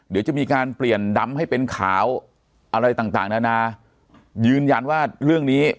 เดี๋ยวจะมีการเปลี่ยนดำให้เป็นขาวอะไรต่างต่างนานายืนยันว่าเรื่องนี้